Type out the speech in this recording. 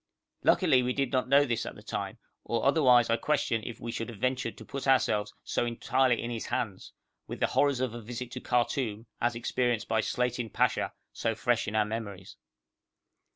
Luckily we did not know this at the time, or otherwise I question if we should have ventured to put ourselves so entirely in his hands, with the horrors of a visit to Khartoum, as experienced by Slatin Pasha, so fresh in our memories.